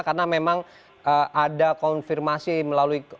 karena memang ada konfirmasi melalui konferensi